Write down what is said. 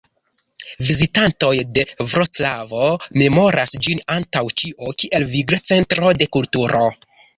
Vizitantoj de Vroclavo memoras ĝin antaŭ ĉio kiel vigla centro de kulturo.